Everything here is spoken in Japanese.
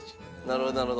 なるほどなるほど。